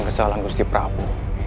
kesalahan gusti prabu